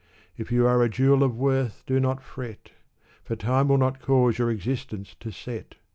If you are a jewel of worth, do not fret ! For time will not cause your existence to set.